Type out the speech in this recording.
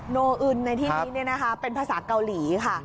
โนอึนในที่นี้เป็นภาษาเกาหลีค่ะ